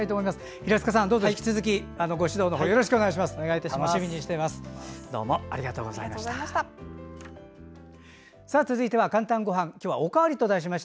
平塚さん、引き続きご指導のほうよろしくお願いします。